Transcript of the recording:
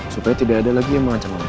supaya tidak ada lagi yang mengancam lagi